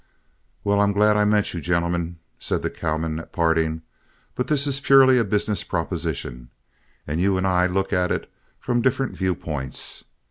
"Well, I'm glad I met you, gentlemen," said the cowman at parting, "but this is purely a business proposition, and you and I look at it from different viewpoints.